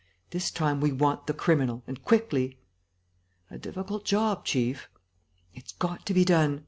This time we want the criminal ... and quickly!" "A difficult job, chief." "It's got to be done.